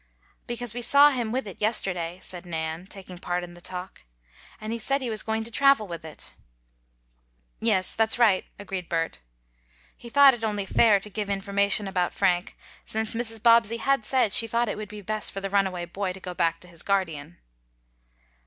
"Because we saw him with it yesterday," said Nan, taking part in the talk, "and he said he was going to travel with it." "Yes, that's right," agreed Bert. He thought it only fair to give information about Frank, since Mrs. Bobbsey had said she thought it would be best for the runaway boy to go back to his guardian.